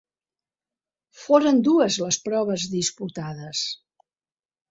Foren dues les proves disputades.